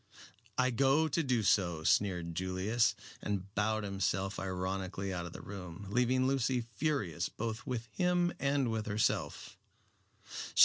"I go to do so," sneered Julius, and bowed himself ironically out of the room, leaving Lucy furious both with him and with herself.